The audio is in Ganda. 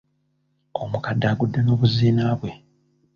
Omukadde agudde n’obuziina bwe.